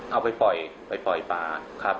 เอาไปปล่อยปลาครับ